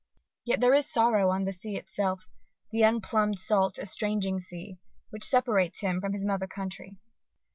_) yet there is sorrow on the sea itself, the "unplumb'd, salt, estranging sea" which separates him from his mother country.